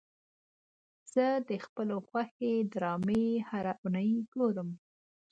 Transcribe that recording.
زه د خپلو خوښې ډرامې هره اونۍ ګورم.